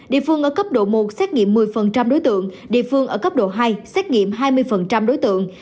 địa phương ở cấp độ một xét nghiệm một mươi đối tượng địa phương ở cấp độ hai xét nghiệm hai mươi đối tượng